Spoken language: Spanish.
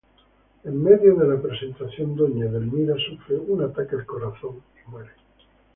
En medio de la presentación, doña Edelmira sufre un ataque al corazón y muere.